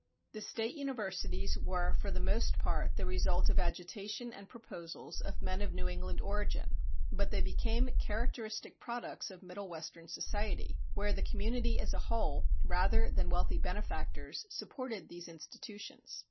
The State Universities were for the most part the result of agitation and proposals of men of New England origin; but they became characteristic products of Middle Western society, where the community as a whole, rather than wealthy benefactors, supported these institutions.